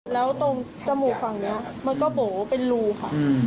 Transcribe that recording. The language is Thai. แล้วตรงจมูกฝั่งนี้มันก็โบ๋เป็นรูค่ะ